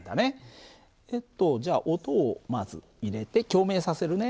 えっとじゃあ音をまず入れて共鳴させるね。